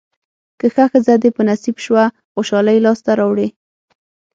که ښه ښځه دې په نصیب شوه خوشالۍ لاسته راوړې.